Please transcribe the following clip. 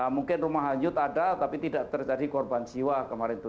mungkin rumah hanyut ada tapi tidak terjadi korban jiwa kemarin itu